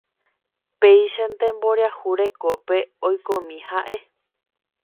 Péichante mboriahu rekópe oikomi ha'e